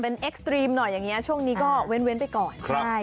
เป็นเอ็กซ์ตรีมหน่อยอย่างนี้ช่วงนี้ก็เว้นไปก่อน